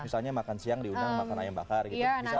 misalnya makan siang diundang makan ayam bakar gitu